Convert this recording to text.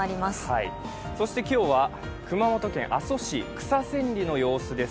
今日は熊本県阿蘇市草千里の様子です。